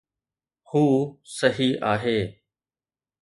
هو صحيح آهي